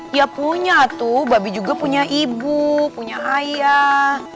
dia punya tuh babi juga punya ibu punya ayah